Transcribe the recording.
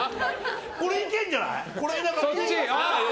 これいけるんじゃない？